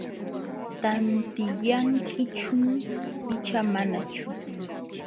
¿Tantiyankichum icha manachu?